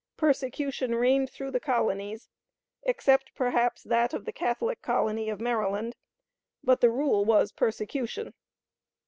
Persecution reigned through the colonies, except, perhaps, that of the Catholic colony of Maryland; but the rule was persecution.